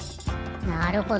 なるほど。